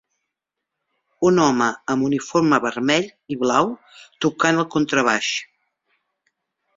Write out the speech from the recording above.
Un home amb uniforme vermell i blau tocant el contrabaix